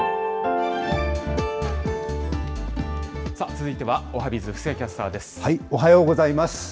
続いてはおはＢｉｚ、おはようございます。